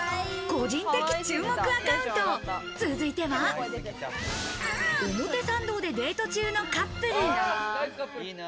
個人的注目アカウント、続いては表参道でデート中のカップル。